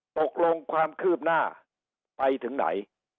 ตกลงความคืบหน้าไปถึงไหน